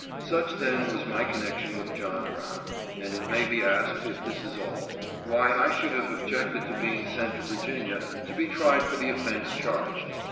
Such then was my connection with John Brown, and it may be asked, if this is all, why I should have objected to being sent to Virginia to be tried for the offense charged.